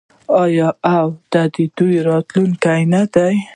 آیا او د دوی راتلونکی نه دی؟